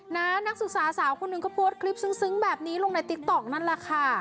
นักศึกษาสาวคนหนึ่งเขาโพสต์คลิปซึ้งแบบนี้ลงในติ๊กต๊อกนั่นแหละค่ะ